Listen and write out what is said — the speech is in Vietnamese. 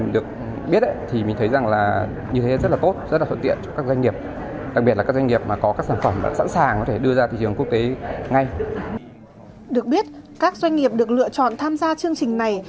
được biết các doanh nghiệp được lựa chọn tham gia chương trình này